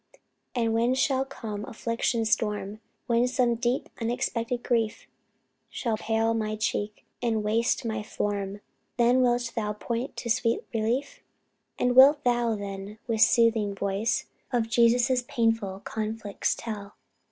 And when shall come affliction's storm, When some deep, unexpected grief Shall pale my cheek, and waste my form, Then wilt thou point to sweet relief? And wilt thou, then, with soothing voice, Of Jesus' painful conflicts tell?